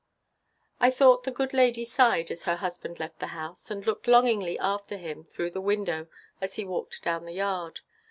I thought the good lady sighed as her husband left the house, and looked longingly after him through the window as he walked down the yard.